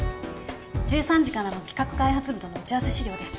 １３時からの企画開発部との打ち合わせ資料です